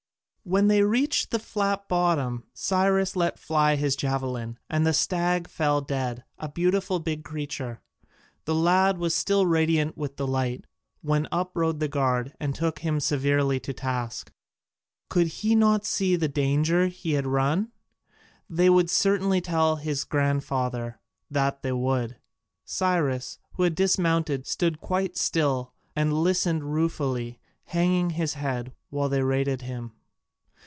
When they reached the flat bottom, Cyrus let fly his javelin, and the stag fell dead, a beautiful big creature. The lad was still radiant with delight when up rode the guard and took him severely to task. Could he not see the danger he had run? They would certainly tell his grandfather, that they would. Cyrus, who had dismounted, stood quite still and listened ruefully, hanging his head while they rated him.